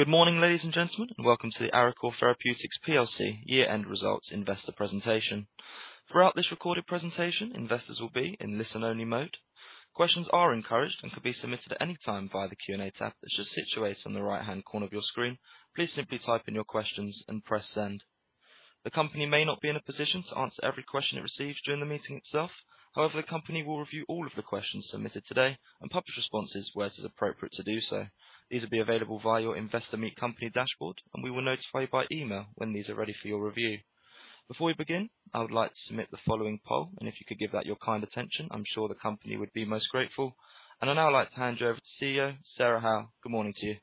Good morning, ladies and gentlemen, and welcome to the Arecor Therapeutics plc year-end results investor presentation. Throughout this recorded presentation, investors will be in listen-only mode. Questions are encouraged and can be submitted at any time via the Q&A tab that's just situated on the right-hand corner of your screen. Please simply type in your questions and press Send. The company may not be in a position to answer every question it receives during the meeting itself. However, the company will review all of the questions submitted today and publish responses where it is appropriate to do so. These will be available via your Investor Meet Company dashboard, and we will notify you by email when these are ready for your review. Before we begin, I would like to submit the following poll, and if you could give that your kind attention, I'm sure the company would be most grateful. I'd now like to hand you over to CEO Sarah Howell. Good morning to you.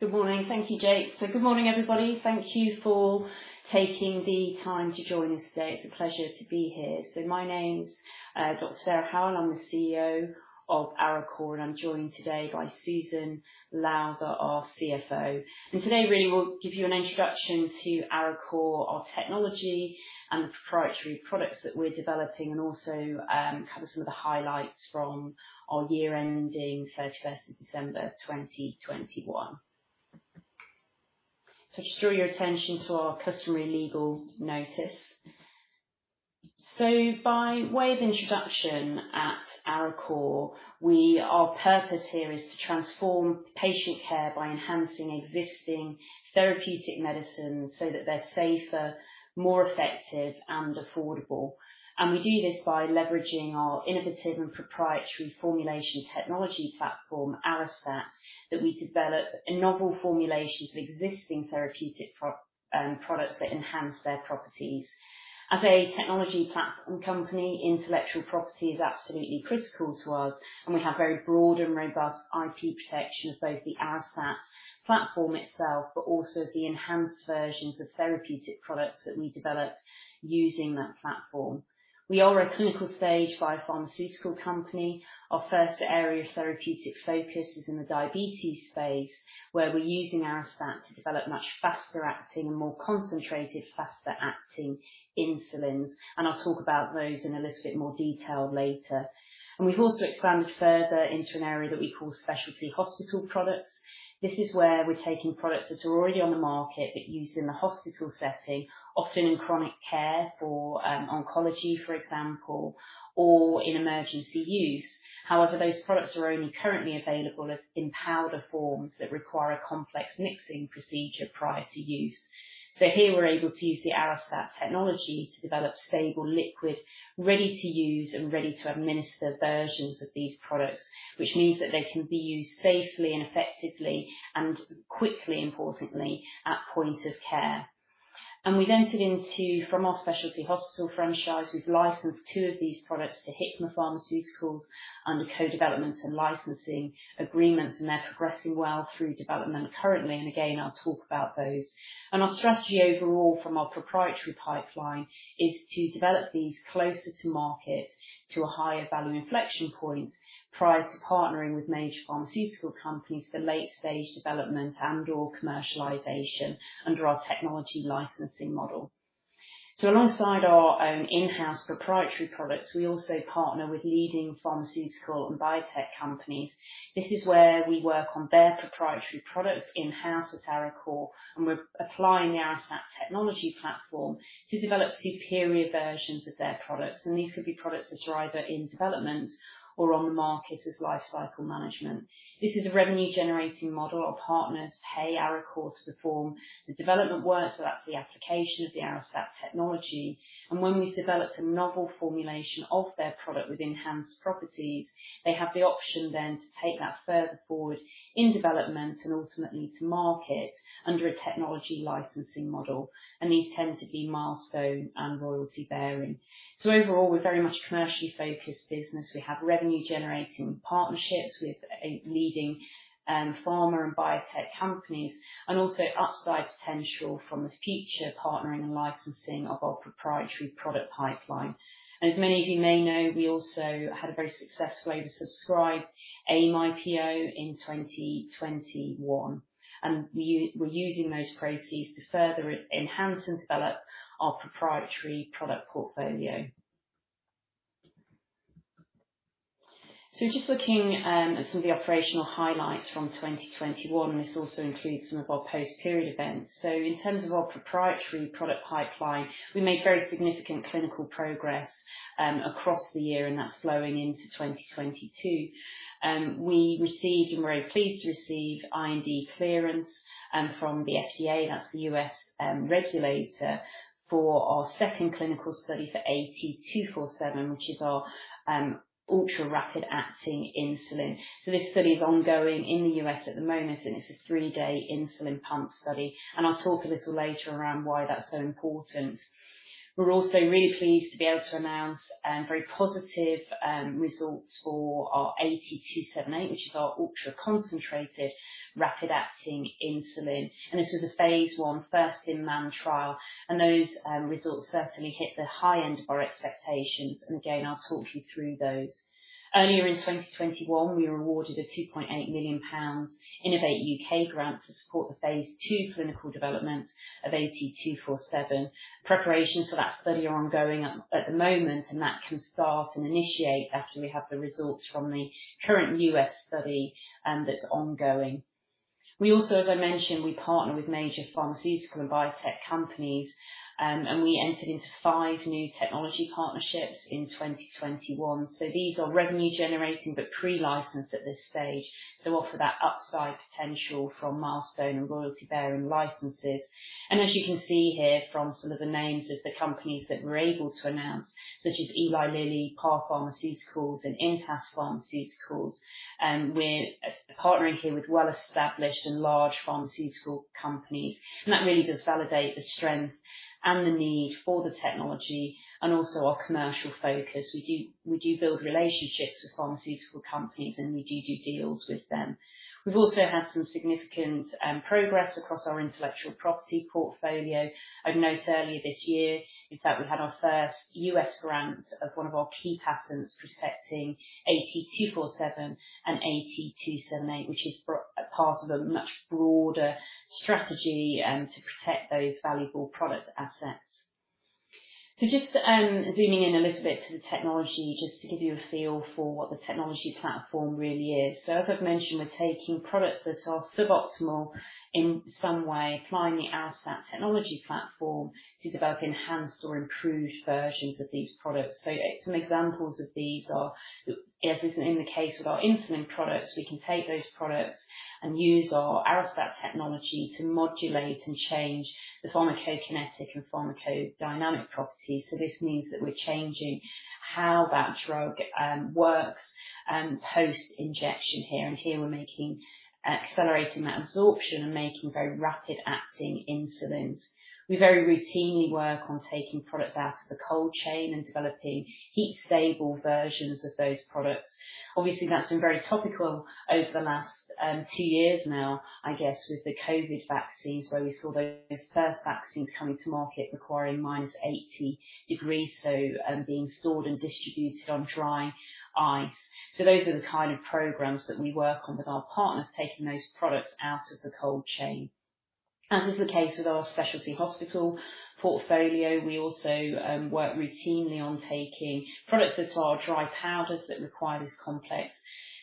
Good morning. Thank you, Jake. Good morning, everybody. Thank you for taking the time to join us today. It's a pleasure to be here. My name's Dr. Sarah Howell. I'm the CEO of Arecor, and I'm joined today by Susan Lowther, our CFO. Today, really, we'll give you an introduction to Arecor, our technology and the proprietary products that we're developing, and also cover some of the highlights from our year ending 31st of December, 2021. Just draw your attention to our customary legal notice. By way of introduction, at Arecor, our purpose here is to transform patient care by enhancing existing therapeutic medicines so that they're safer, more effective and affordable. We do this by leveraging our innovative and proprietary formulation technology platform, Arestat™, that we develop novel formulations of existing therapeutic products that enhance their properties. As a technology platform company, intellectual property is absolutely critical to us, and we have very broad and robust IP protection of both the Arestat™ platform itself, but also the enhanced versions of therapeutic products that we develop using that platform. We are a clinical-stage pharmaceutical company. Our first area of therapeutic focus is in the diabetes space, where we're using Arestat™ to develop much faster-acting and more concentrated, faster-acting insulins, and I'll talk about those in a little bit more detail later. We've also expanded further into an area that we call specialty hospital products. This is where we're taking products that are already on the market, but used in the hospital setting, often in chronic care for oncology, for example, or in emergency use. However, those products are only currently available as in powder forms that require a complex mixing procedure prior to use. Here we're able to use the Arestat™ technology to develop stable liquid, ready to use and ready to administer versions of these products. Which means that they can be used safely and effectively and quickly, importantly, at point of care. We've entered into, from our specialty hospital franchise, we've licensed two of these products to Hikma Pharmaceuticals under co-development and licensing agreements, and they're progressing well through development currently. Again, I'll talk about those. Our strategy overall from our proprietary pipeline is to develop these closer to market to a higher value inflection point prior to partnering with major pharmaceutical companies for late-stage development and/or commercialization under our technology licensing model. Alongside our, in-house proprietary products, we also partner with leading pharmaceutical and biotech companies. This is where we work on their proprietary products in-house at Arecor, and we're applying the Arestat™ technology platform to develop superior versions of their products. These could be products that are either in development or on the market as lifecycle management. This is a revenue-generating model. Our partners pay Arecor to perform the development work, so that's the application of the Arestat™ technology. When we've developed a novel formulation of their product with enhanced properties, they have the option then to take that further forward in development and ultimately to market under a technology licensing model. These tend to be milestone and royalty-bearing. Overall, we're very much a commercially focused business. We have revenue-generating partnerships with leading pharma and biotech companies, and also upside potential from the future partnering and licensing of our proprietary product pipeline. As many of you may know, we also had a very successful oversubscribed AIM IPO in 2021. We're using those proceeds to further enhance and develop our proprietary product portfolio. Just looking at some of the operational highlights from 2021, and this also includes some of our post-period events. In terms of our proprietary product pipeline, we made very significant clinical progress across the year, and that's flowing into 2022. We received, and we're very pleased to receive, IND clearance from the FDA, that's the U.S. regulator, for our second clinical study for AT247, which is our ultra-rapid acting insulin. This study is ongoing in the U.S. at the moment, and it's a three-day insulin pump study. I'll talk a little later around why that's so important. We're also really pleased to be able to announce very positive results for our AT278, which is our ultra-concentrated rapid-acting insulin. This was a phase I first in man trial. Those results certainly hit the high end of our expectations. Again, I'll talk you through those. Earlier in 2021, we were awarded a 2.8 million pounds Innovate U.K. grant to support the phase II clinical development of AT247. Preparations for that study are ongoing at the moment, and that can start and initiate after we have the results from the current U.S. study that's ongoing. We also, as I mentioned, we partner with major pharmaceutical and biotech companies, and we entered into five new technology partnerships in 2021. These are revenue generating but pre-licensed at this stage to offer that upside potential from milestone and royalty-bearing licenses. As you can see here from some of the names of the companies that we're able to announce, such as Eli Lilly, Par Pharmaceutical and Intas Pharmaceuticals, we're partnering here with well-established and large pharmaceutical companies, and that really does validate the strength and the need for the technology and also our commercial focus. We do build relationships with pharmaceutical companies and we do deals with them. We've also had some significant progress across our intellectual property portfolio. I'd note earlier this year, in fact, we had our first U.S. grant of one of our key patents protecting AT247 and AT278, which is part of a much broader strategy to protect those valuable product assets. Just zooming in a little bit to the technology, just to give you a feel for what the technology platform really is. As I've mentioned, we're taking products that are suboptimal in some way, applying the Arestat™ technology platform to develop enhanced or improved versions of these products. Some examples of these are, as is in the case with our insulin products, we can take those products and use our Arestat™ technology to modulate and change the pharmacokinetic and pharmacodynamic properties. This means that we're changing how that drug works post-injection here, and here we're accelerating that absorption and making very rapid-acting insulins. We very routinely work on taking products out of the cold chain and developing heat-stable versions of those products. Obviously, that's been very topical over the last two years now, I guess, with the COVID vaccine. We saw those first vaccines coming to market requiring minus 80 degrees, being stored and distributed on dry ice. Those are the kind of programs that we work on with our partners, taking those products out of the cold chain. As is the case with our specialty hospital portfolio, we also work routinely on taking products that are dry powders that require this complex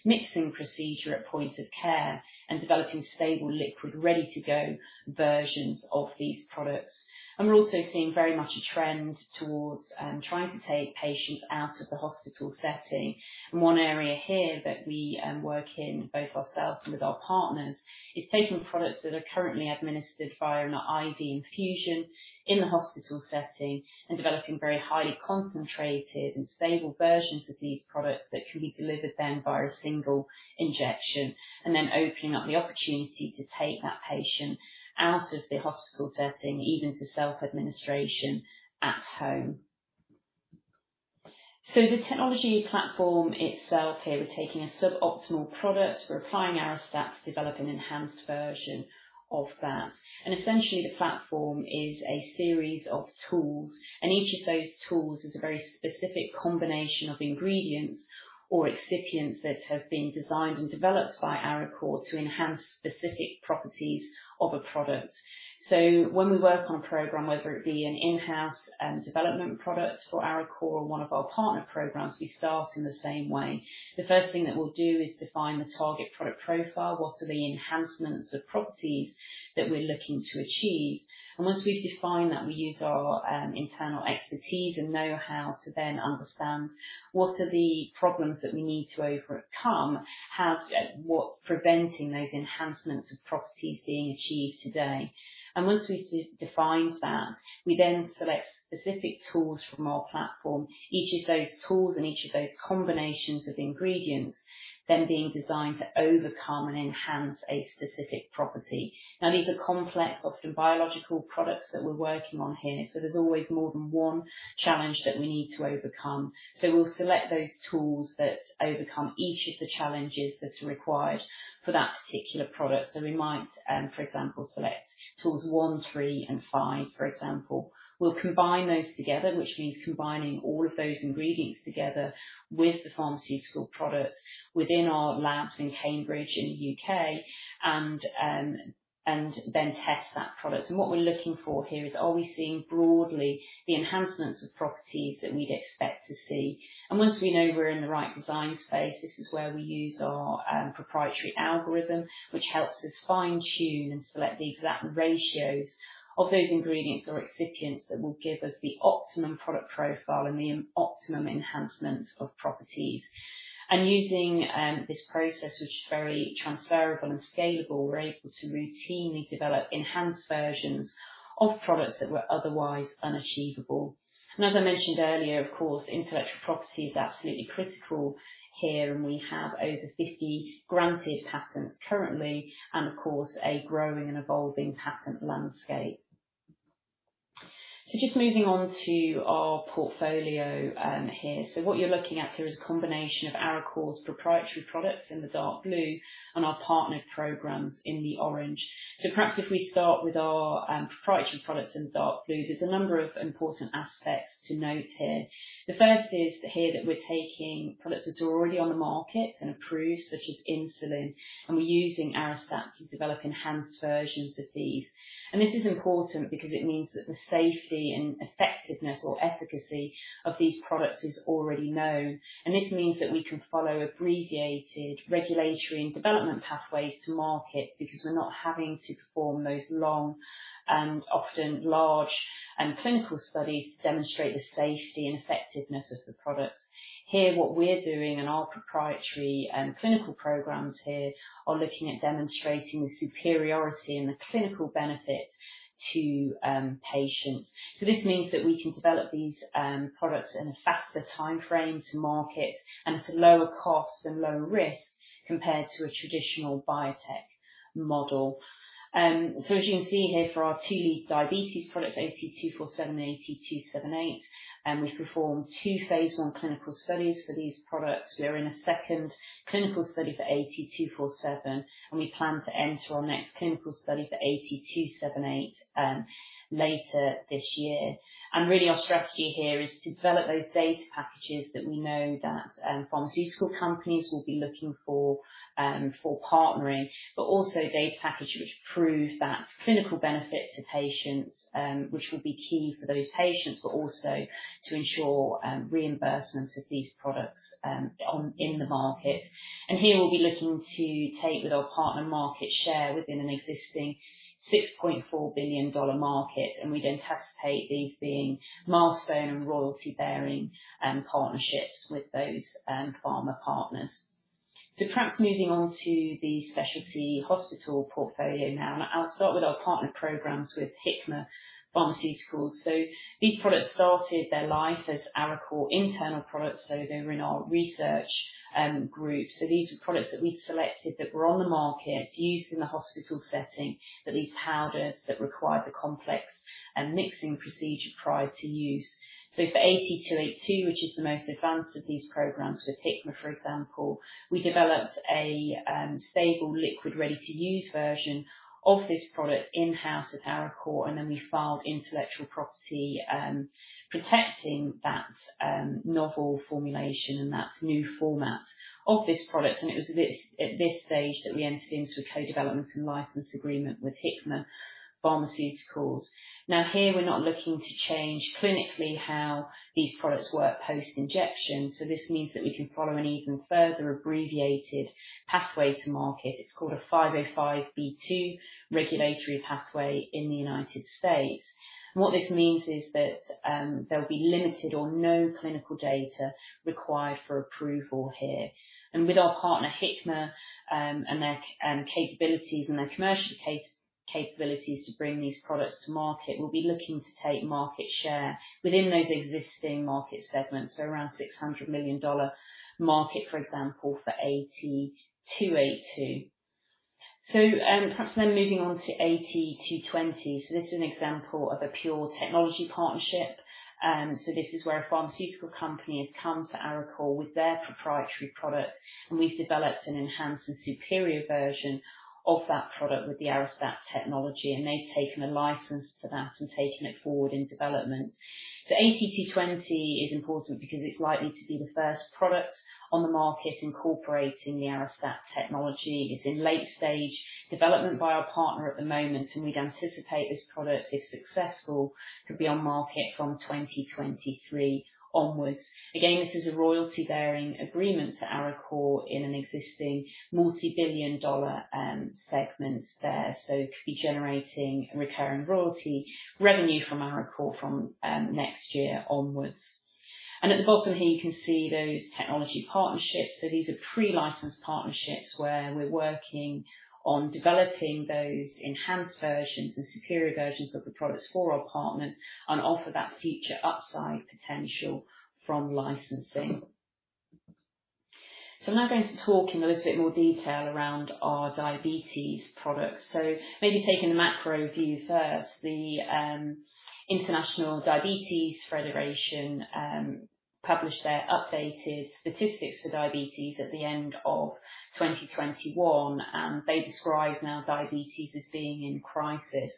mixing procedure at point of care and developing stable liquid ready-to-go versions of these products. We're also seeing very much a trend towards trying to take patients out of the hospital setting. One area here that we work in, both ourselves and with our partners, is taking products that are currently administered via an IV infusion in the hospital setting and developing very highly concentrated and stable versions of these products that can be delivered then via a single injection. Then opening up the opportunity to take that patient out of the hospital setting, even to self-administration at home. The technology platform itself here, we're taking a suboptimal product, we're applying our Arestat™, develop an enhanced version of that. Essentially the platform is a series of tools, and each of those tools is a very specific combination of ingredients or excipients that have been designed and developed by Arecor to enhance specific properties of a product. When we work on a program, whether it be an in-house development product for Arecor or one of our partner programs, we start in the same way. The first thing that we'll do is define the target product profile. What are the enhancements or properties that we're looking to achieve? Once we've defined that, we use our internal expertise and know-how to then understand what are the problems that we need to overcome, what's preventing those enhancements or properties being achieved today. Once we've defined that, we then select specific tools from our platform, each of those tools and each of those combinations of ingredients then being designed to overcome and enhance a specific property. Now, these are complex, often biological products that we're working on here, so there's always more than one challenge that we need to overcome. We'll select those tools that overcome each of the challenges that are required for that particular product. We might, for example, select tools one, three and five, for example. We'll combine those together, which means combining all of those ingredients together with the pharmaceutical product within our labs in Cambridge in the U.K., and then test that product. What we're looking for here is are we seeing broadly the enhancements of properties that we'd expect to see? Once we know we're in the right design space, this is where we use our proprietary algorithm, which helps us fine-tune and select the exact ratios of those ingredients or excipients that will give us the optimum product profile and the optimum enhancements of properties. Using this process, which is very transferable and scalable, we're able to routinely develop enhanced versions of products that were otherwise unachievable. As I mentioned earlier, of course, intellectual property is absolutely critical here, and we have over 50 granted patents currently and of course, a growing and evolving patent landscape. Just moving on to our portfolio here. What you're looking at here is a combination of course, proprietary products in the dark blue and our partner programs in the orange. Perhaps if we start with our proprietary products in dark blue, there's a number of important aspects to note here. The first is here that we're taking products that are already on the market and approved, such as insulin, and we're using Arestat™ to develop enhanced versions of these. This is important because it means that the safety and effectiveness or efficacy of these products is already known. This means that we can follow abbreviated regulatory and development pathways to market because we're not having to perform those long and often large and clinical studies to demonstrate the safety and effectiveness of the products. Here, what we're doing in our proprietary and clinical programs here are looking at demonstrating the superiority and the clinical benefit to patients. This means that we can develop these products in a faster timeframe to market and at a lower cost and lower risk compared to a traditional biotech model. As you can see here for our two lead diabetes products, AT247 and AT278, and we've performed two phase I clinical studies for these products. We're in a second clinical study for AT247, and we plan to enter our next clinical study for AT278 later this year. Really, our strategy here is to develop those data packages that we know that pharmaceutical companies will be looking for for partnering, but also a data package which proves that clinical benefit to patients, which will be key for those patients, but also to ensure reimbursement of these products in the market. Here we'll be looking to take with our partner market share within an existing $6.4 billion market, and we'd anticipate these being milestone and royalty-bearing partnerships with those pharma partners. Perhaps moving on to the specialty hospital portfolio now. I'll start with our partner programs with Hikma Pharmaceuticals. These products started their life as Arecor internal products, so they were in our research group. These were products that we'd selected that were on the market, used in the hospital setting, but these powders that required the complex and mixing procedure prior to use. For AT282, which is the most advanced of these programs with Hikma, for example, we developed a stable liquid ready-to-use version of this product in-house at Arecor, and then we filed intellectual property protecting that novel formulation and that new format of this product. It was at this stage that we entered into a co-development and license agreement with Hikma Pharmaceuticals. Here, we're not looking to change clinically how these products work post-injection, so this means that we can follow an even further abbreviated pathway to market. It's called a 505(b)(2) regulatory pathway in the United States. What this means is that, there'll be limited or no clinical data required for approval here. With our partner, Hikma, and their capabilities and their commercial capabilities to bring these products to market, we'll be looking to take market share within those existing market segments. Around $600 million market, for example, for AT282. Perhaps moving on to AT220. This is an example of a pure technology partnership. This is where a pharmaceutical company has come to Arecor with their proprietary product, and we've developed an enhanced and superior version of that product with the Arestat™ technology, and they've taken a license to that and taken it forward in development. AT220 is important because it's likely to be the first product on the market incorporating the Arestat™ technology. It's in late-stage development by our partner at the moment, and we'd anticipate this product, if successful, could be on market from 2023 onwards. Again, this is a royalty-bearing agreement to Arecor in an existing multi-billion dollar segment there. It could be generating recurring royalty revenue from Arecor from next year onwards. At the bottom here, you can see those technology partnerships. These are pre-licensed partnerships where we're working on developing those enhanced versions and superior versions of the products for our partners and offer that future upside potential from licensing. I'm now going to talk in a little bit more detail around our diabetes products. Maybe taking the macro view first. The International Diabetes Federation published their updated statistics for diabetes at the end of 2021, and they describe now diabetes as being in crisis.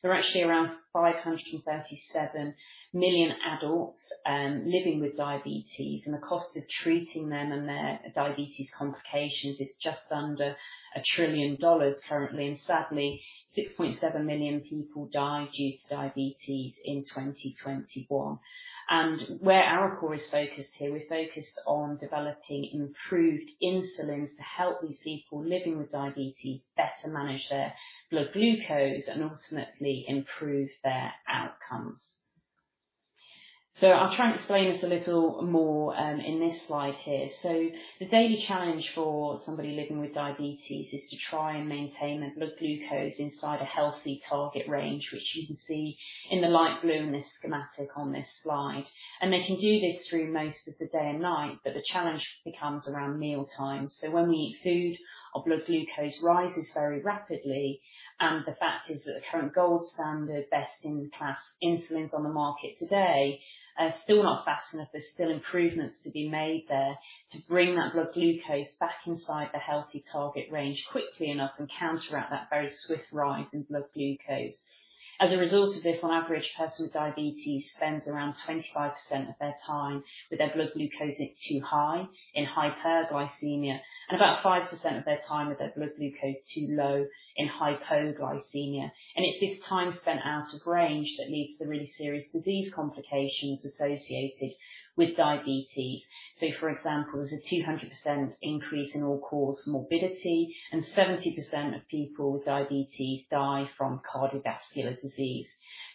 There are actually around 537 million adults living with diabetes, and the cost of treating them and their diabetes complications is just under $1 trillion currently. Sadly, 6.7 million people died due to diabetes in 2021. Where Arecor is focused here, we're focused on developing improved insulins to help these people living with diabetes better manage their blood glucose and ultimately improve their outcomes. I'll try and explain this a little more in this slide here. The daily challenge for somebody living with diabetes is to try and maintain their blood glucose inside a healthy target range, which you can see in the light blue in this schematic on this slide. They can do this through most of the day and night, but the challenge becomes around mealtime. When we eat food, our blood glucose rises very rapidly, and the fact is that the current gold standard best-in-class insulins on the market today, still not fast enough. There's still improvements to be made there to bring that blood glucose back inside the healthy target range quickly enough and counteract that very swift rise in blood glucose. As a result of this, on average, a person with diabetes spends around 25% of their time with their blood glucose too high, in hyperglycemia, and about 5% of their time with their blood glucose too low, in hypoglycemia. It's this time spent out of range that leads to the really serious disease complications associated with diabetes. For example, there's a 200% increase in all-cause morbidity and 70% of people with diabetes die from cardiovascular disease.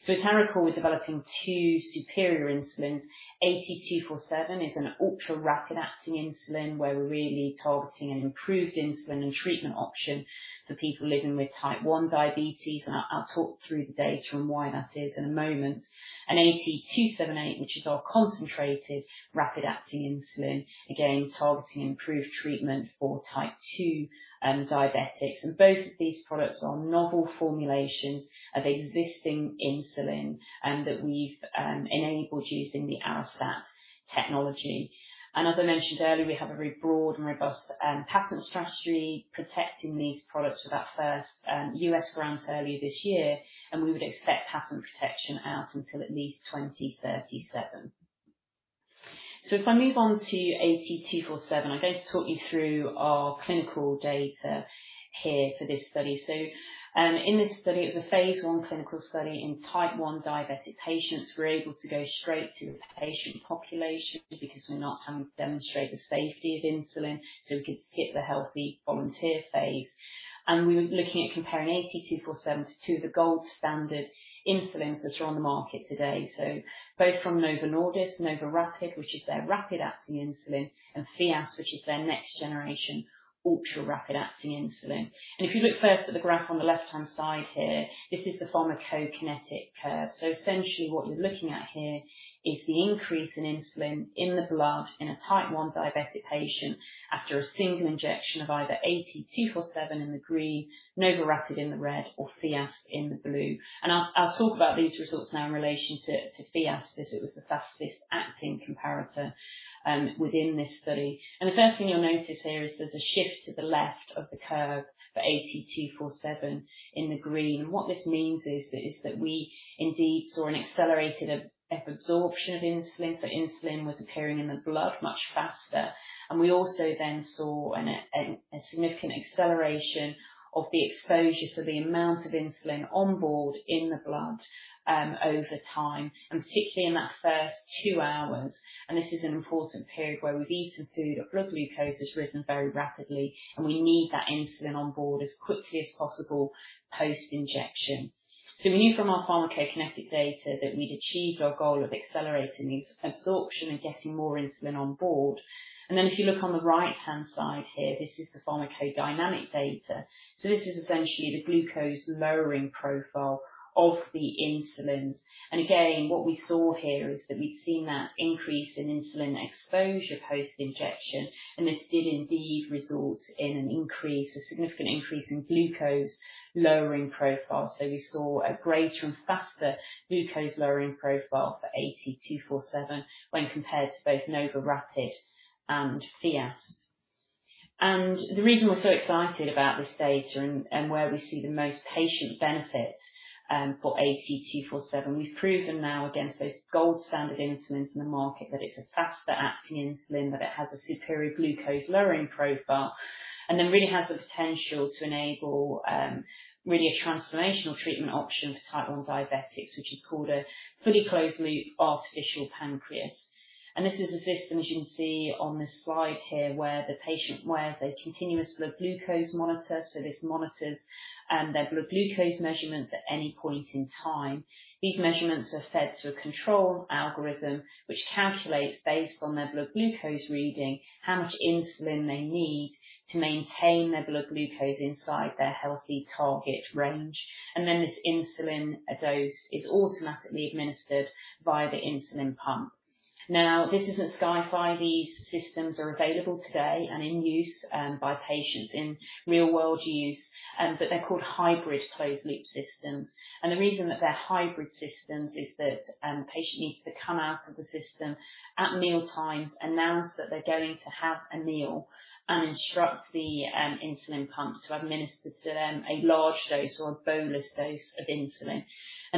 Arecor is developing two superior insulins. AT247 is an ultra-rapid-acting insulin, where we're really targeting an improved insulin and treatment option for people living with Type 1 diabetes. I'll talk through the data and why that is in a moment. AT278, which is our concentrated rapid-acting insulin, again, targeting improved treatment for Type 2 diabetics. Both of these products are novel formulations of existing insulin that we've enabled using the Arestat™ technology. As I mentioned earlier, we have a very broad and robust patent strategy protecting these products with that first U.S. grant earlier this year, and we would expect patent protection out until at least 2037. If I move on to AT247, I'm going to talk you through our clinical data here for this study. In this study, it was a phase I clinical study in Type 1 diabetic patients. We're able to go straight to the patient population because we're not having to demonstrate the safety of insulin, so we could skip the healthy volunteer phase. We were looking at comparing AT247 to the gold standard insulins which are on the market today. Both from Novo Nordisk, NovoRapid, which is their rapid-acting insulin, and Fiasp, which is their next generation ultra rapid-acting insulin. If you look first at the graph on the left-hand side here, this is the pharmacokinetic curve. Essentially what you're looking at here is the increase in insulin in the blood in a Type 1 diabetic patient after a single injection of either AT247 in the green, NovoRapid in the red or Fiasp in the blue. I'll talk about these results now in relation to Fiasp, as it was the fastest acting comparator within this study. The first thing you'll notice here is there's a shift to the left of the curve for AT247 in the green. What this means is that we indeed saw an accelerated absorption of insulin, so insulin was appearing in the blood much faster. We also then saw a significant acceleration of the exposure, so the amount of insulin on board in the blood over time, and particularly in that first two hours. This is an important period where we've eaten food, our blood glucose has risen very rapidly, and we need that insulin on board as quickly as possible post-injection. We knew from our pharmacokinetic data that we'd achieved our goal of accelerating the absorption and getting more insulin on board. Then if you look on the right-hand side here, this is the pharmacodynamic data. This is essentially the glucose lowering profile of the insulins. Again, what we saw here is that we've seen that increase in insulin exposure post-injection. This did indeed result in an increase, a significant increase in glucose lowering profile. We saw a greater and faster glucose lowering profile for AT247 when compared to both NovoRapid and Fiasp. The reason we're so excited about this data and where we see the most patient benefit for AT247, we've proven now against those gold standard insulins in the market, that it's a faster acting insulin, that it has a superior glucose lowering profile, and then really has the potential to enable really a transformational treatment option for Type 1 diabetics, which is called a fully closed loop artificial pancreas. This is a system, as you can see on this slide here, where the patient wears a continuous blood glucose monitor. This monitors their blood glucose measurements at any point in time. These measurements are fed to a control algorithm, which calculates based on their blood glucose reading, how much insulin they need to maintain their blood glucose inside their healthy target range. This insulin dose is automatically administered via the insulin pump. This isn't sci-fi. These systems are available today and in use by patients in real world use, but they're called hybrid closed loop systems. The reason that they're hybrid systems is that, the patient needs to come out of the system at mealtimes, announce that they're going to have a meal, and instruct the, insulin pump to administer to them a large dose or a bolus dose of insulin.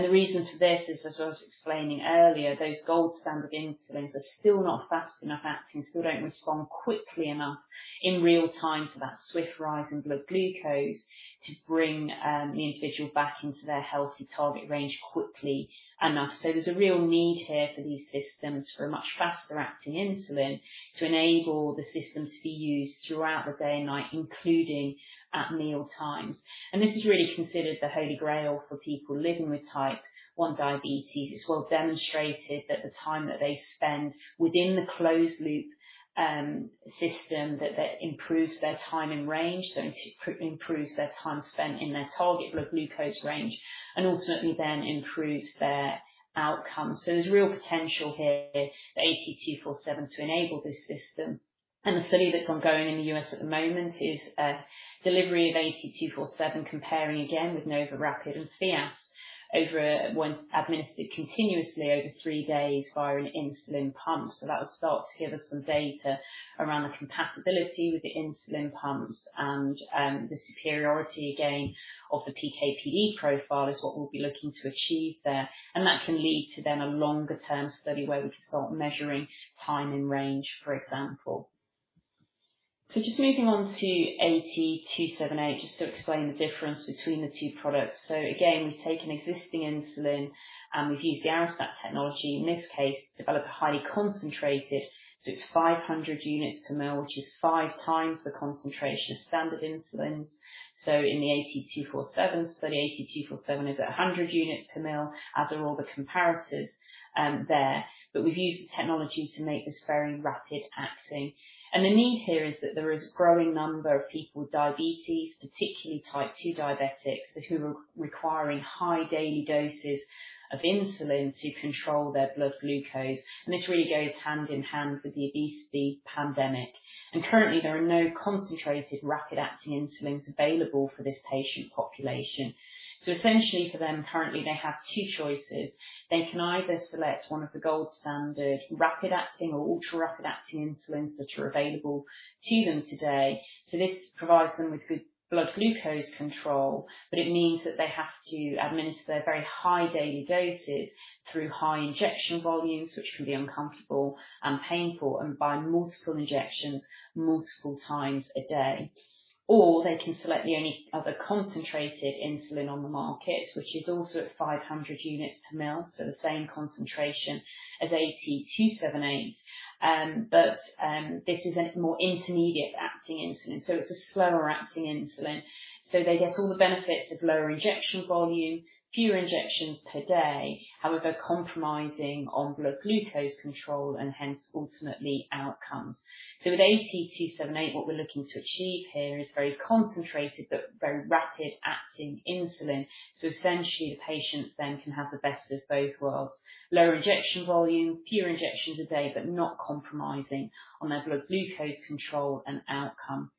The reason for this is, as I was explaining earlier, those gold standard insulins are still not fast enough acting, still don't respond quickly enough in real time to that swift rise in blood glucose to bring, the individual back into their healthy target range quickly enough. There's a real need here for these systems for a much faster acting insulin to enable the system to be used throughout the day and night, including at meal times. This is really considered the holy grail for people living with type one diabetes. It's well demonstrated that the time that they spend within the closed loop system, that improves their time in range. It improves their time spent in their target blood glucose range and ultimately then improves their outcomes. There's real potential here for AT247 to enable this system. The study that's ongoing in the U.S. at the moment is delivery of AT247, comparing again with NovoRapid and Fiasp over once administered continuously over three days via an insulin pump. That will start to give us some data around the compatibility with the insulin pumps and the superiority again of the PK/PD profile is what we'll be looking to achieve there. That can lead to then a longer-term study where we can start measuring time in range, for example. Just moving on to AT278, just to explain the difference between the two products. Again, we've taken existing insulin, and we've used the Arestat™ technology in this case to develop a highly concentrated, so it's 500 units per ml, which is 5 times the concentration of standard insulins. In the AT247 study, AT247 is at 100 units per ml, as are all the comparators, there. We've used the technology to make this very rapid acting. The need here is that there is a growing number of people with diabetes, particularly Type 2 diabetics, who are requiring high daily doses of insulin to control their blood glucose. This really goes hand in hand with the obesity pandemic. Currently, there are no concentrated rapid-acting insulins available for this patient population. Essentially for them, currently they have two choices. They can either select one of the gold standard rapid-acting or ultra rapid-acting insulins that are available to them today. This provides them with good blood glucose control, but it means that they have to administer their very high daily doses through high injection volumes, which can be uncomfortable and painful, and by multiple injections multiple times a day. Or they can select the only other concentrated insulin on the market, which is also at 500 units per ml, so the same concentration as AT278. This is a more intermediate-acting insulin, so it's a slower acting insulin. They get all the benefits of lower injection volume, fewer injections per day, however compromising on blood glucose control and hence ultimately outcomes. With AT278, what we're looking to achieve here is very concentrated but very rapid-acting insulin. Essentially the patients then can have the best of both worlds. Lower injection volume, fewer injections a day, but not compromising on their blood glucose control and outcome.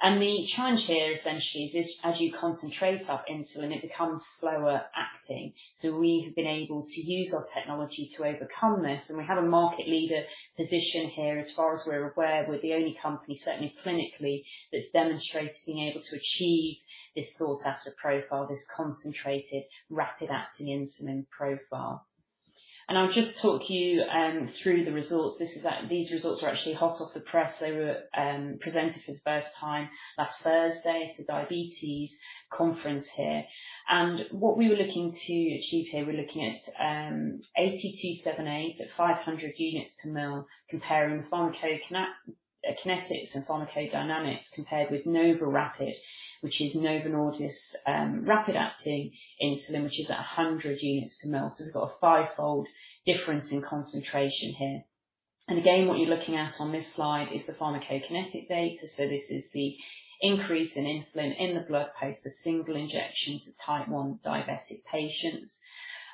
The challenge here essentially is as you concentrate our insulin, it becomes slower acting. We have been able to use our technology to overcome this, and we have a market leader position here. As far as we're aware, we're the only company, certainly clinically, that's demonstrated being able to achieve this sought after profile, this concentrated rapid-acting insulin profile. I'll just talk you through the results. These results are actually hot off the press. They were presented for the first time last Thursday at the Diabetes Conference here. What we were looking to achieve here, we're looking at AT278 at 500 units per ml, comparing pharmacokinetics and pharmacodynamics compared with NovoRapid, which is Novo Nordisk rapid-acting insulin, which is at 100 units per ml. We've got a fivefold difference in concentration here. Again, what you're looking at on this slide is the pharmacokinetic data. This is the increase in insulin in the blood post a single injection to Type 1 diabetic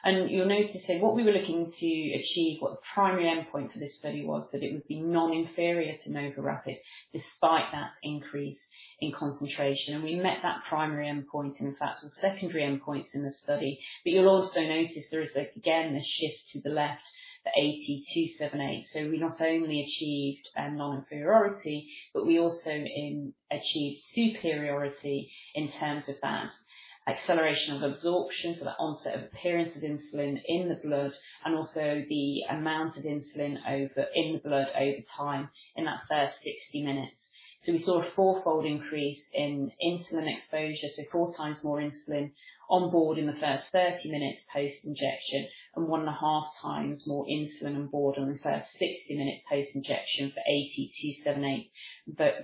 patients. You'll notice here, what we were looking to achieve, what the primary endpoint for this study was, that it would be non-inferior to NovoRapid despite that increase in concentration. We met that primary endpoint and in fact some secondary endpoints in the study. You'll also notice there is again a shift to the left for AT278. We not only achieved a non-inferiority, but we also achieved superiority in terms of that acceleration of absorption, so the onset of appearance of insulin in the blood and also the amount of insulin in the blood over time in that first 60 minutes. We saw a fourfold increase in insulin exposure, so four times more insulin on board in the first 30 minutes post-injection and 1.5 times more insulin on board in the first 60 minutes post-injection for AT278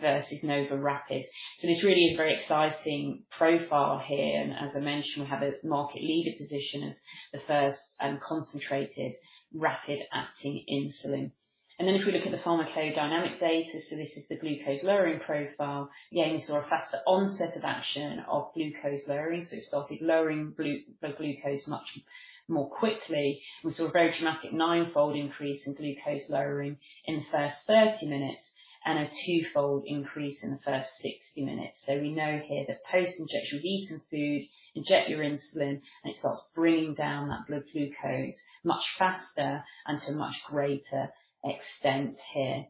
versus NovoRapid. This really is a very exciting profile here, and as I mentioned, we have a market leader position as the first concentrated rapid-acting insulin. Then if we look at the pharmacodynamic data, so this is the glucose lowering profile. Again, we saw a faster onset of action of glucose lowering, so it started lowering blood glucose much more quickly. We saw a very dramatic 9-fold increase in glucose lowering in the first 30 minutes and a 2-fold increase in the first 60 minutes. We know here that post-injection, you've eaten food, inject your insulin, and it starts bringing down that blood glucose much faster and to a much greater extent here.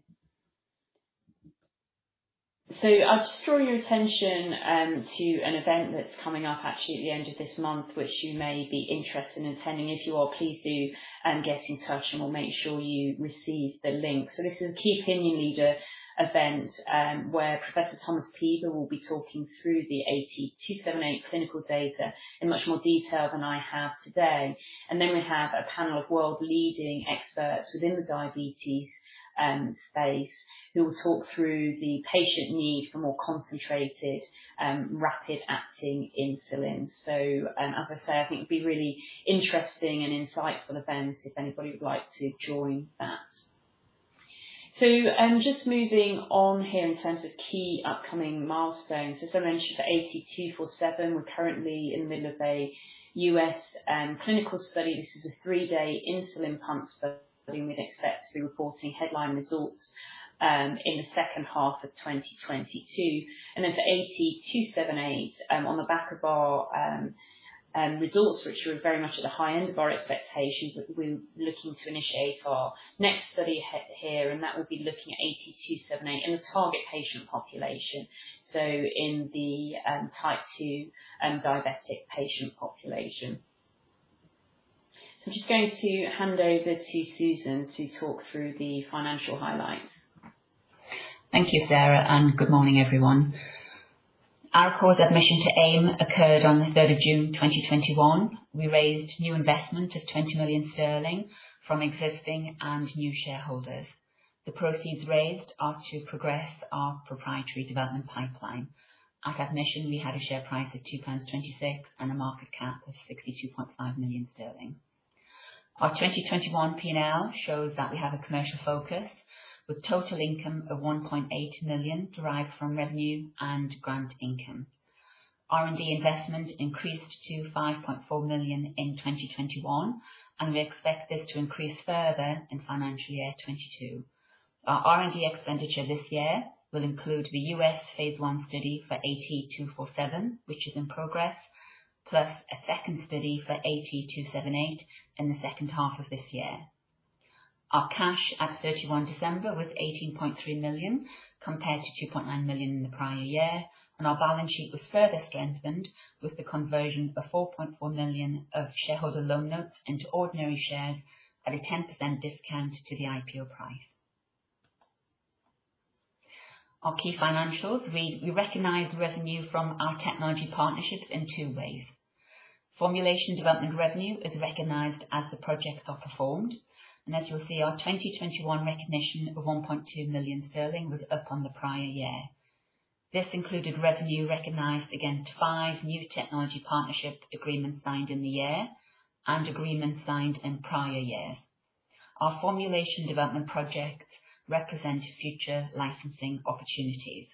I'll just draw your attention to an event that's coming up actually at the end of this month, which you may be interested in attending. If you are, please do get in touch, and we'll make sure you receive the link. This is a key opinion leader event where Professor Thomas Pieber will be talking through the AT278 clinical data in much more detail than I have today. We have a panel of world-leading experts within the diabetes space who will talk through the patient need for more concentrated rapid-acting insulin. As I say, I think it'll be really interesting and insightful event if anybody would like to join that. Just moving on here in terms of key upcoming milestones. As I mentioned for AT247, we're currently in the middle of a U.S. clinical study. This is a three-day insulin pump study, and we'd expect to be reporting headline results in the second half of 2022. For AT278, on the back of our results, which were very much at the high end of our expectations, we're looking to initiate our next study here, and that would be looking at AT278 in a target patient population, so in the Type 2 diabetic patient population. I'm just going to hand over to Susan to talk through the financial highlights. Thank you, Sarah, and good morning, everyone. Arecor's admission to AIM occurred on the 3rd of June 2021. We raised new investment of 20 million sterling from existing and new shareholders. The proceeds raised are to progress our proprietary development pipeline. At admission, we had a share price of 2.26 pounds and a market cap of 62.5 million sterling. Our 2021 P&L shows that we have a commercial focus with total income of 1.8 million derived from revenue and grant income. R&D investment increased to 5.4 million in 2021, and we expect this to increase further in financial year 2022. Our R&D expenditure this year will include the U.S. phase I study for AT247, which is in progress, plus a second study for AT278 in the second half of this year. Our cash at December 31 was 18.3 million, compared to 2.9 million in the prior year, and our balance sheet was further strengthened with the conversion of 4.4 million of shareholder loan notes into ordinary shares at a 10% discount to the IPO price. Our key financials. We recognize revenue from our technology partnerships in two ways. Formulation development revenue is recognized as the projects are performed, and as you'll see, our 2021 recognition of 1.2 million sterling was up on the prior year. This included revenue recognized against five new technology partnership agreements signed in the year and agreements signed in prior years. Our formulation development projects represent future licensing opportunities.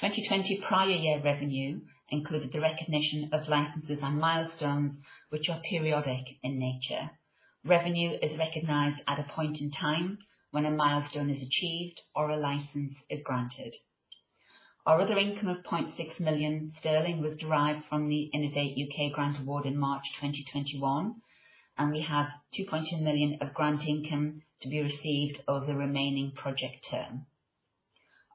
2020 prior year revenue included the recognition of licenses and milestones which are periodic in nature. Revenue is recognized at a point in time when a milestone is achieved or a license is granted. Our other income of 0.6 million sterling was derived from the Innovate UK Grant award in March 2021, and we have 2.2 million of grant income to be received over the remaining project term.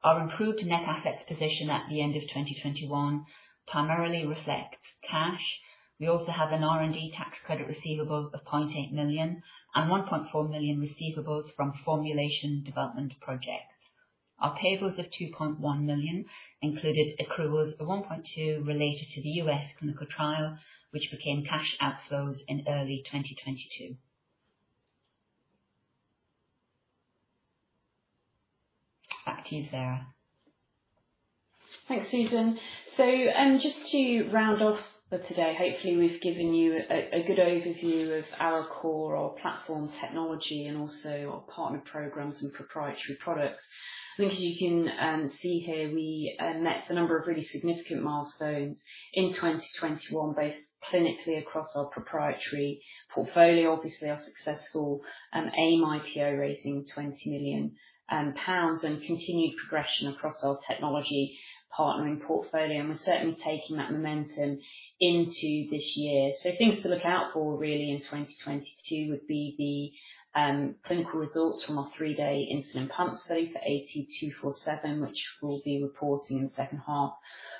Our improved net assets position at the end of 2021 primarily reflect cash. We also have an R&D tax credit receivable of 0.8 million and 1.4 million receivables from formulation development projects. Our payables of 2.1 million included accruals of 1.2 million related to the U.S. clinical trial, which became cash outflows in early 2022. Back to you, Sarah. Thanks, Susan. Just to round off for today, hopefully, we've given you a good overview of Arecor, our platform technology, and also our partner programs and proprietary products. I think as you can see here, we met a number of really significant milestones in 2021, both clinically across our proprietary portfolio, obviously our successful AIM IPO raising 20 million pounds, and continued progression across our technology partnering portfolio. We're certainly taking that momentum into this year. Things to look out for really in 2022 would be the clinical results from our three-day insulin pump study for AT247, which we'll be reporting in the second half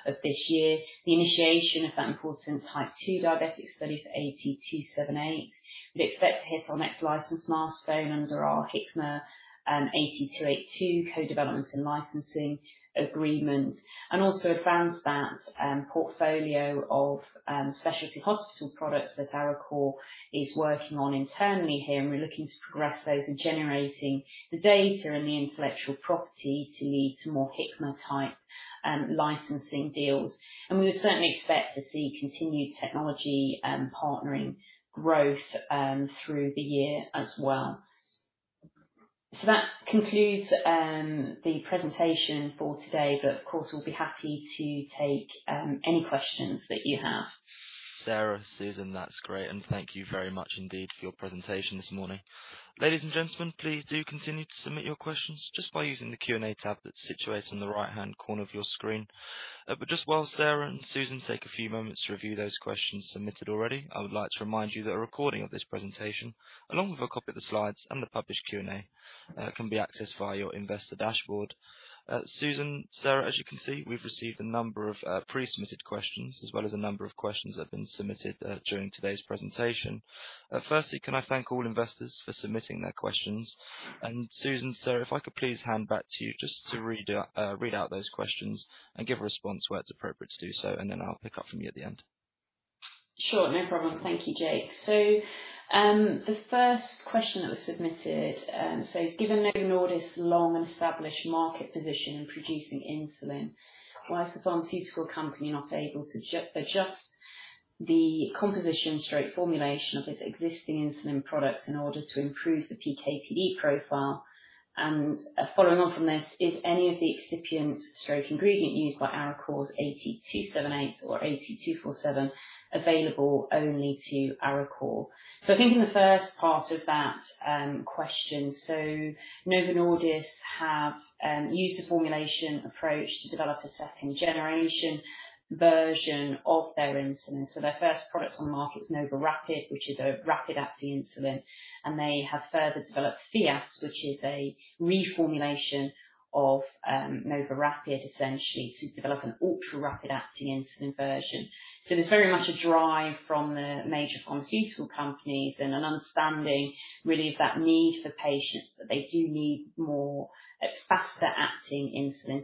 of this year. The initiation of that important Type 2 diabetes study for AT278. We'd expect to hit our next license milestone under our Hikma AT282 co-development and licensing agreement. Also advanced that portfolio of specialty hospital products that Arecor is working on internally here, and we're looking to progress those and generating the data and the intellectual property to lead to more Hikma type licensing deals. We would certainly expect to see continued technology and partnering growth through the year as well. That concludes the presentation for today. Of course, we'll be happy to take any questions that you have. Sarah, Susan, that's great. Thank you very much indeed for your presentation this morning. Ladies and gentlemen, please do continue to submit your questions just by using the Q&A tab that's situated in the right-hand corner of your screen. Just while Sarah and Susan take a few moments to review those questions submitted already, I would like to remind you that a recording of this presentation, along with a copy of the slides and the published Q&A, can be accessed via your investor dashboard. Susan, Sarah, as you can see, we've received a number of pre-submitted questions as well as a number of questions that have been submitted during today's presentation. Firstly, can I thank all investors for submitting their questions. Susan, Sarah, if I could please hand back to you just to read out those questions and give a response where it's appropriate to do so, and then I'll pick up from you at the end. Sure. No problem. Thank you, Jake. The first question that was submitted says, "Given Novo Nordisk's long-established market position in producing insulin, why is the pharmaceutical company not able to adjust the composition or formulation of its existing insulin products in order to improve the PK/PD profile. And following on from this, is any of the excipient or ingredient used by Arecor's AT278 or AT247 available only to Arecor?" I think in the first part of that question, Novo Nordisk have used a formulation approach to develop a second generation version of their insulin. Their first product on the market is NovoRapid, which is a rapid-acting insulin, and they have further developed Fiasp, which is a reformulation of NovoRapid, essentially to develop an ultra rapid-acting insulin version. There's very much a drive from the major pharmaceutical companies and an understanding really of that need for patients, that they do need more faster-acting insulin,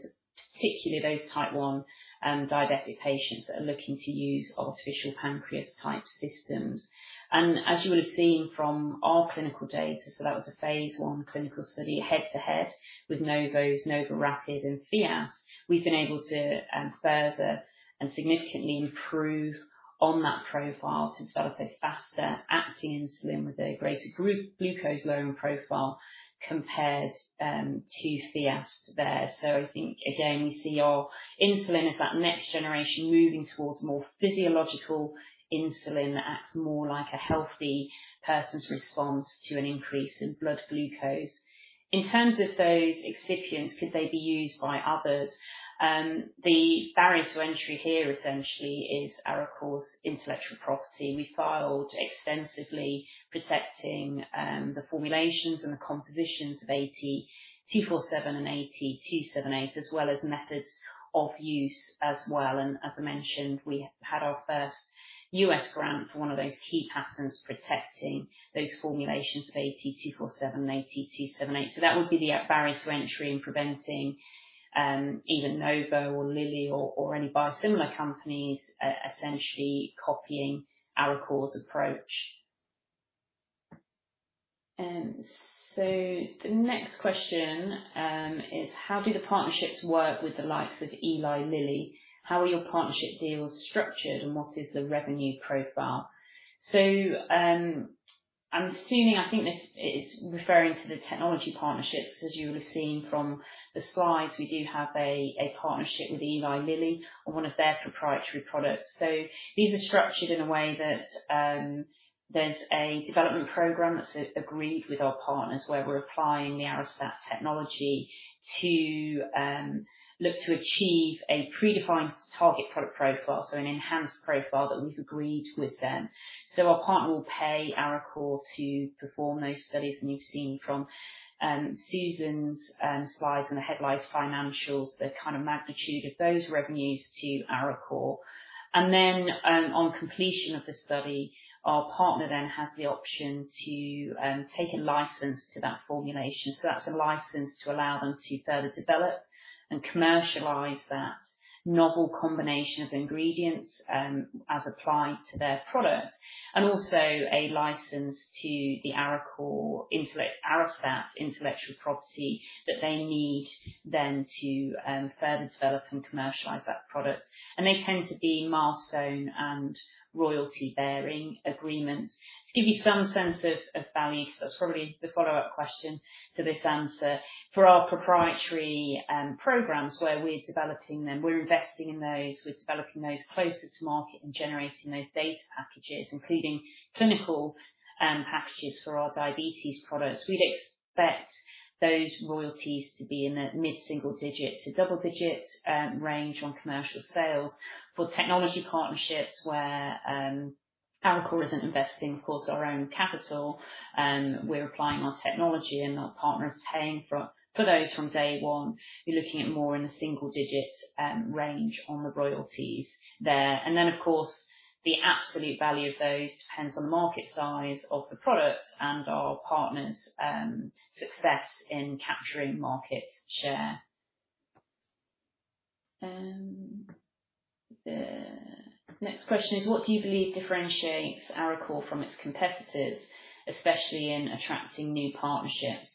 particularly those Type 1 diabetic patients that are looking to use artificial pancreas type systems. As you would have seen from our clinical data, that was a phase I clinical study, head-to-head with Novo's NovoRapid and Fiasp. We've been able to further and significantly improve on that profile to develop a faster-acting insulin with a greater glucose lowering profile compared to Fiasp there. I think, again, you see our insulin is that next generation moving towards more physiological insulin that acts more like a healthy person's response to an increase in blood glucose. In terms of those excipients, could they be used by others? The barrier to entry here essentially is Arecor's intellectual property. We filed extensively protecting the formulations and the compositions of AT247 and AT278, as well as methods of use as well. As I mentioned, we had our first U.S. grant for one of those key patents protecting those formulations of AT247 and AT278. That would be the barrier to entry in preventing either Novo or Lilly or any biosimilar companies essentially copying Arecor's approach. The next question is how do the partnerships work with the likes of Eli Lilly. How are your partnership deals structured and what is the revenue profile. I'm assuming, I think this is referring to the technology partnerships. As you would have seen from the slides, we do have a partnership with Eli Lilly on one of their proprietary products. These are structured in a way that there's a development program that's agreed with our partners, where we're applying the Arestat™ technology to look to achieve a predefined target product profile. An enhanced profile that we've agreed with them. Our partner will pay Arecor to perform those studies. You've seen from Susan's slides and the headlines, financials, the kind of magnitude of those revenues to Arecor. On completion of the study, our partner then has the option to take a license to that formulation. That's a license to allow them to further develop and commercialize that novel combination of ingredients, as applied to their products, and also a license to the Arecor Arestat™ intellectual property that they need then to further develop and commercialize that product. They tend to be milestone and royalty-bearing agreements. To give you some sense of value, that's probably the follow-up question to this answer. For our proprietary programs where we're developing them, we're investing in those, we're developing those closer to market and generating those data packages, including clinical packages for our diabetes products. We'd expect those royalties to be in the mid-single digit to double digit range on commercial sales. For technology partnerships where Arecor isn't investing, of course, our own capital, we're applying our technology and our partners paying for those from day one. You're looking at more in the single digit range on the royalties there. Then of course, the absolute value of those depends on the market size of the product and our partner's success in capturing market share. The next question is what do you believe differentiates Arecor from its competitors, especially in attracting new partnerships?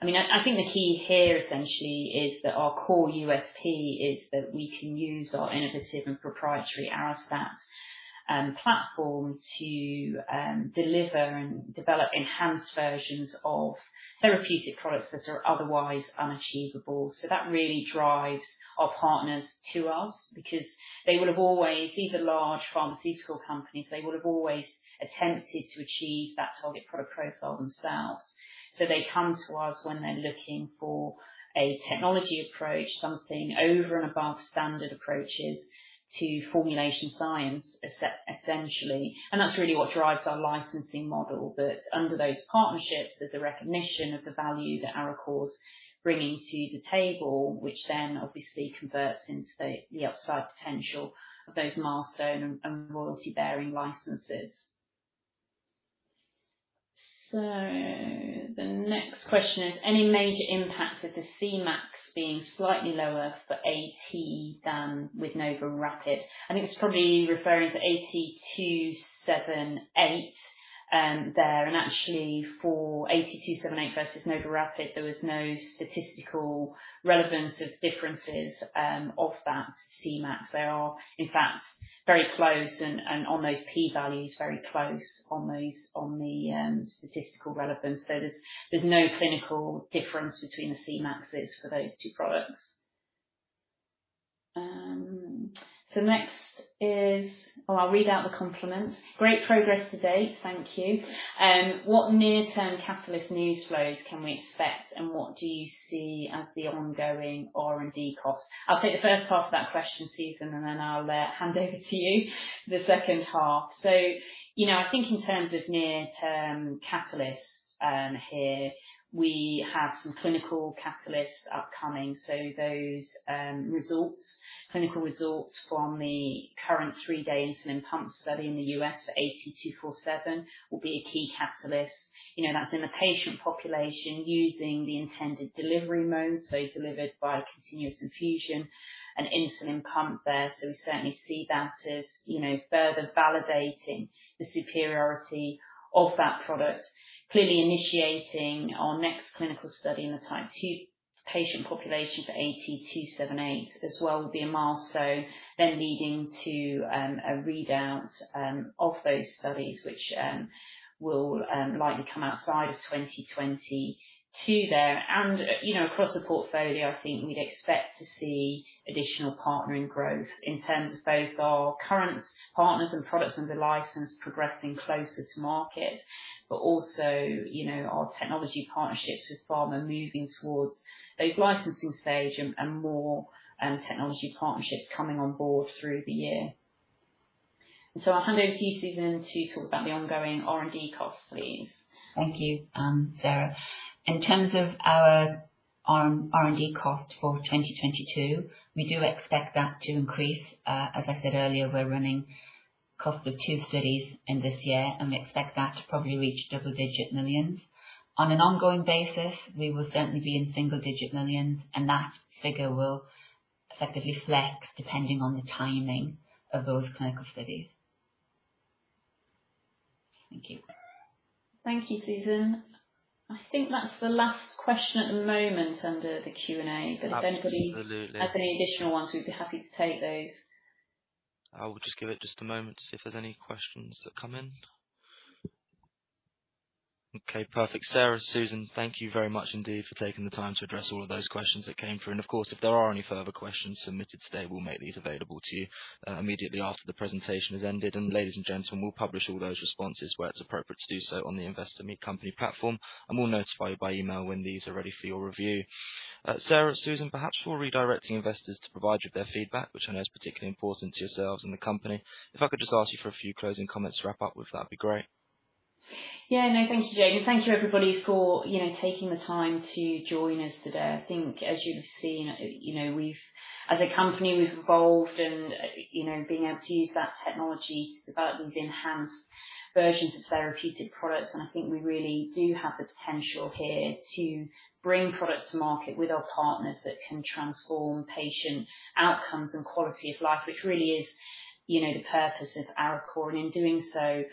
I mean, I think the key here essentially is that our core USP is that we can use our innovative and proprietary Arestat™ platform to deliver and develop enhanced versions of therapeutic products that are otherwise unachievable. So that really drives our partners to us because they would have always, these are large pharmaceutical companies, they would have always attempted to achieve that target product profile themselves. So they come to us when they're looking for a technology approach, something over and above standard approaches to formulation science essentially. That's really what drives our licensing model, that under those partnerships, there's a recognition of the value that Arecor's bringing to the table, which then obviously converts into the upside potential of those milestone and royalty-bearing licenses. The next question is any major impact of the Cmax being slightly lower for AT than with NovoRapid? I think it's probably referring to AT278, there and actually for AT278 versus NovoRapid, there was no statistical relevance of differences of that Cmax. They are in fact very close and on those p-values very close on those on the statistical relevance. There's no clinical difference between the Cmaxes for those two products. Next is. Oh, I'll read out the compliments. "Great progress today." Thank you. What near-term catalyst news flows can we expect and what do you see as the ongoing R&D costs?" I'll take the first half of that question, Susan, and then I'll hand over to you the second half. You know, I think in terms of near-term catalysts, here we have some clinical catalysts upcoming. Those results, clinical results from the current three days insulin pump study in the U.S. for AT247 will be a key catalyst. You know, that's in the patient population using the intended delivery mode, so delivered by continuous infusion and insulin pump there. We certainly see that as, you know, further validating the superiority of that product. Clearly initiating our next clinical study in the Type 2 patient population for AT278 as well will be a milestone, then leading to a readout of those studies which will likely come outside of 2022 there. You know, across the portfolio I think we'd expect to see additional partnering growth in terms of both our current partners and products under license progressing closer to market, but also, you know, our technology partnerships with pharma moving towards those licensing stage and more technology partnerships coming on board through the year. I'll hand over to you, Susan, to talk about the ongoing R&D costs, please. Thank you, Sarah. In terms of our R&D cost for 2022, we do expect that to increase. As I said earlier, we're running costs of two studies in this year, and we expect that to probably reach double-digit millions. On an ongoing basis we will certainly be in single digit millions, and that figure will effectively flex depending on the timing of those clinical studies. Thank you. Thank you, Susan. I think that's the last question at the moment under the Q&A. Absolutely. If anybody has any additional ones, we'd be happy to take those. I will give it just a moment to see if there's any questions that come in. Okay, perfect. Sarah, Susan, thank you very much indeed for taking the time to address all of those questions that came through. Of course, if there are any further questions submitted today, we'll make these available to you, immediately after the presentation has ended. Ladies and gentlemen, we'll publish all those responses where it's appropriate to do so on the Investor Meet Company platform, and we'll notify you by email when these are ready for your review. Sarah, Susan, perhaps before redirecting investors to provide you with their feedback, which I know is particularly important to yourselves and the company, if I could just ask you for a few closing comments to wrap up with, that'd be great. Yeah, no. Thank you, Jake. Thank you everybody for, you know, taking the time to join us today. I think as you've seen, you know, as a company, we've evolved and, you know, being able to use that technology to develop these enhanced versions of therapeutic products, and I think we really do have the potential here to bring products to market with our partners that can transform patient outcomes and quality of life, which really is, you know, the purpose of Arecor. In doing so,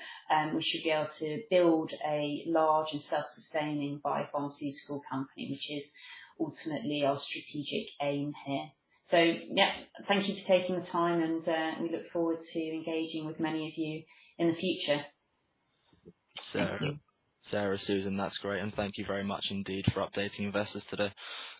we should be able to build a large and self-sustaining biopharmaceutical company, which is ultimately our strategic aim here. Yeah, thank you for taking the time and, we look forward to engaging with many of you in the future. Thank you. Sarah, Susan, that's great and thank you very much indeed for updating investors today.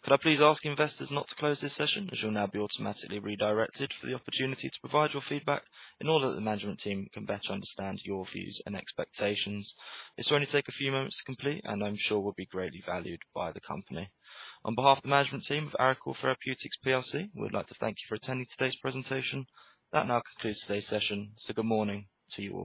Could I please ask investors not to close this session, as you'll now be automatically redirected for the opportunity to provide your feedback in order that the management team can better understand your views and expectations. This will only take a few moments to complete and I'm sure will be greatly valued by the company. On behalf of the management team of Arecor Therapeutics plc, we'd like to thank you for attending today's presentation. That now concludes today's session, so good morning to you all.